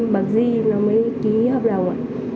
bảng g nó mới ký hợp đồng